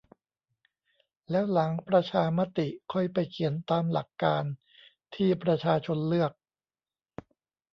แล้วหลังประชามติค่อยไปเขียนตามหลักการที่ประชาชนเลือก